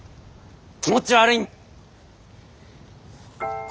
気持ち悪いんだよ！